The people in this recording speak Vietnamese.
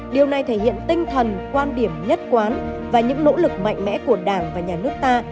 điều này thể hiện tinh thần quan điểm nhất quán và những nỗ lực mạnh mẽ của đảng và nhà nước ta